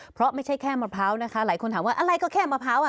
เพราะไม่ใช่แค่มะพร้าวนะคะหลายคนถามว่าอะไรก็แค่มะพร้าวอ่ะ